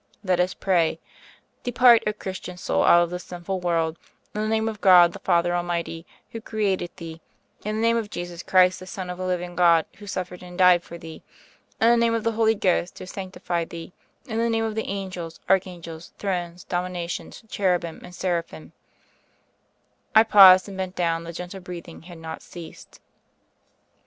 "Let Us Pray. "Depart, O Christian soul, out of this sinful world, in the name of God, the Father Al mighty, who created thee ; in the name of Jesus Christ, the Son of the living God, who suffered and died for thee; in the name of the Holy Ghost, who sanctified thee ; in the name of the Angels, Archangels, Thrones, Dominations, Cherubim and Seraphim " I paused, and bent down ; the gentle breathing had not ceased.